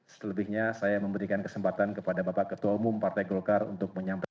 selebihnya saya memberikan kesempatan kepada bapak ketua umum partai golkar untuk menyampaikan